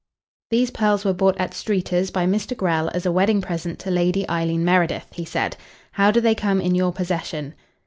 "These pearls were bought at Streeters' by Mr. Grell as a wedding present to Lady Eileen Meredith," he said. "How do they come in your possession?"